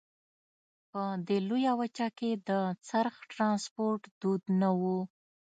په دې لویه وچه کې د څرخ ټرانسپورت دود نه وو.